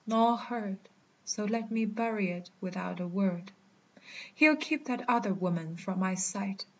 None heard: So let me bury it without a word. He'll keep that other woman from my sight.